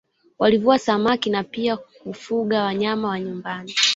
Walivua samaki na pia kufuga wanyama wa nyumbani